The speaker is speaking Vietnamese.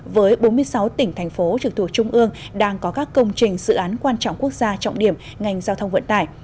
với bốn mươi sáu tỉnh thành phố trực thuộc trung ương đang có các công trình dự án quan trọng quốc gia trọng điểm ngành giao thông vận tải